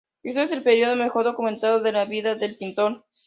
Esta es el periodo mejor documentado de la vida del pintor.